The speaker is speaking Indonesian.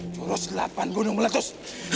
juros delapan gunung meletus